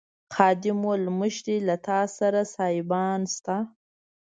خادم وویل مشرې له تاسي سره سایبان شته.